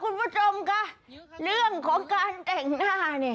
คุณผู้ชมค่ะเรื่องของการแต่งหน้าเนี่ย